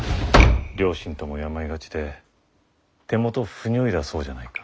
両親とも病がちで手元不如意だそうじゃないか。